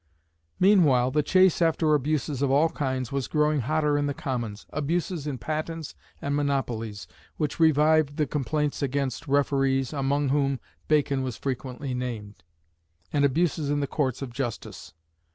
Meanwhile the chase after abuses of all kinds was growing hotter in the Commons abuses in patents and monopolies, which revived the complaints against referees, among whom Bacon was frequently named, and abuses in the Courts of Justice.